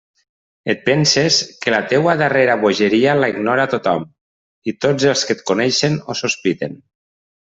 Et penses que la teua darrera bogeria la ignora tothom, i tots els que et coneixen ho sospiten.